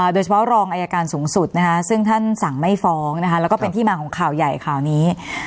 รองอายการสูงสุดซึ่งท่านสั่งไม่ฟ้องแล้วก็เป็นที่มาของข่าวใหญ่ข่าวนี้